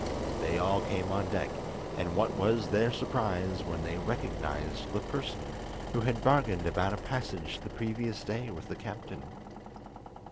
They all came on deck, and what was their surprise when they recognised the person who had bargained about a passage the previous day with the captain.